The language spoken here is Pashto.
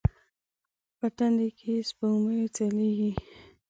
په تندې کې یې سپوږمۍ ځلیږې